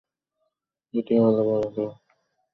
বেটি, বলো তো দুই আর দুই যোগ করলে কত হয়?